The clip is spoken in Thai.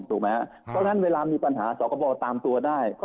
เพราะฉะนั้นเวลามีปัญหาสคบตามตัวได้